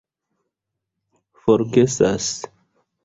forgesas